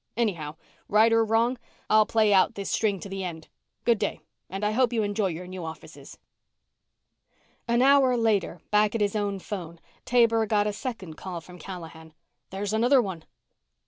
Anyhow, right or wrong, I'll play out this string to the end. Good day and I hope you enjoy your new offices." An hour later, back at his own phone, Taber got a second call from Callahan. "There's another one."